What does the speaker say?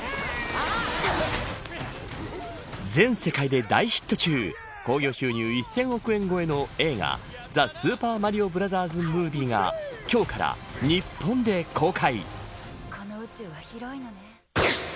全世界で大ヒット中興行収入１０００億円越えの映画ザ・スーパーマリオブラザーズ・ムービーが今日から日本で公開。